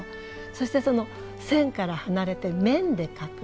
そして線から離れて面で描く。